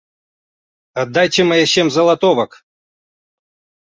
Аддайце мае сем залатовак!